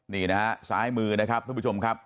นี่นะฮะซ้ายมือนะครับทุกผู้ชมครับ